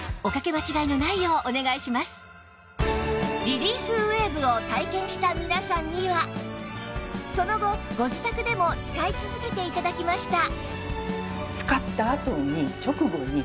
リリースウェーブを体験した皆さんにはその後ご自宅でも使い続けて頂きました